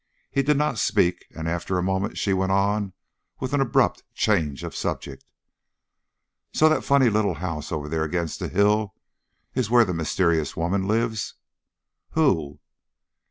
He did not speak, and after a moment she went on, with an abrupt change of subject: "So that funny little house over there against the hill is where the mysterious woman lives?" "Who?"